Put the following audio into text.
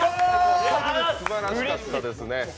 すばらしかったですね。